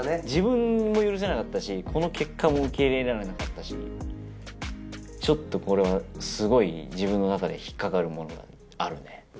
自分も許せなかったしこの結果も受け入れられなかったしちょっとこれはすごい自分の中で引っ掛かるものがあるね